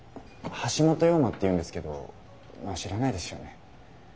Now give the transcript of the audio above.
橋本陽馬っていうんですけどまあ知らないですよね。